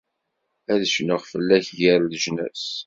Ad cnuɣ fell-ak gar leǧnas.